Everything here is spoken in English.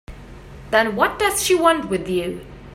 Then what does she want with you?